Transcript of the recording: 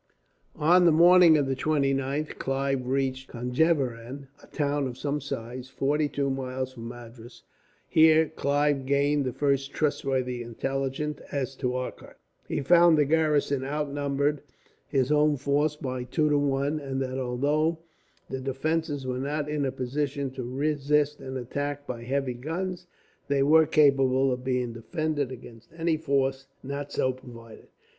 On the morning of the 29th Clive reached Conjeveram, a town of some size, forty two miles from Madras. Here Clive gained the first trustworthy intelligence as to Arcot. He found the garrison outnumbered his own force by two to one; and that, although the defences were not in a position to resist an attack by heavy guns, they were capable of being defended against any force not so provided.